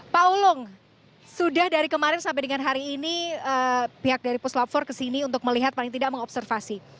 pak ulung sudah dari kemarin sampai dengan hari ini pihak dari puslap empat kesini untuk melihat paling tidak mengobservasi